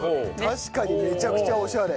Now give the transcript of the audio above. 確かにめちゃくちゃオシャレ。